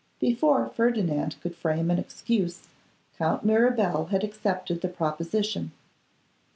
Before Ferdinand could frame an excuse, Count Mirabel had accepted the proposition.